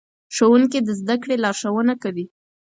ښوونکي د زدهکړې لارښوونه کوي.